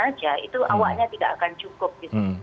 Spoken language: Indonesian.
aja itu awaknya tidak akan cukup gitu